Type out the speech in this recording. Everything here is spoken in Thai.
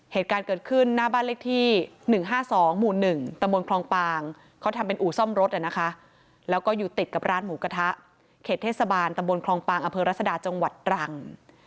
เหตุการณ์เกิดขึ้นหน้าบ้านเลขที่๑๕๒หมู่๑ตำบลคลองปางเขาทำเป็นอู่ซ่อมรถนะคะแล้วก็อยู่ติดกับร้านหมูกระทะเขตเทศบาลตำบลคลองปางอำเภอรัศดาจังหวัดตรัง